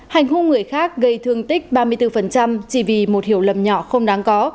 hành hung người khác gây thương tích ba mươi bốn chỉ vì một hiểu lầm nhỏ không đáng có